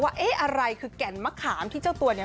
เอ๊ะอะไรคือแก่นมะขามที่เจ้าตัวเนี่ย